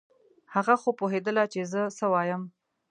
هغه خو پوهېدله چې زه څه وایم.